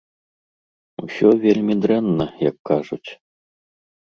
Усё вельмі дрэнна, як кажуць.